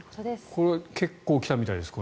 これは結構来たみたいです